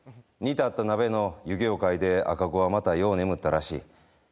煮立った鍋の湯気を嗅いで赤子はまたよう眠ったらしい。